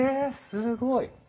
すごい。